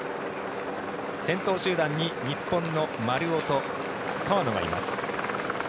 先頭集団に日本の丸尾と川野がいます。